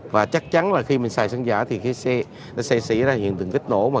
và chắc chắn là khi mình xài xăng giả thì cái xe nó sẽ xảy ra hiện tượng kích nổ